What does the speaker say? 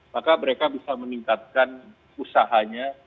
maka mereka bisa meningkatkan usahanya